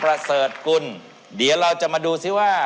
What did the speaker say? ประเสริฐกุลเดี๋ยวเราจะมาดูซิว่า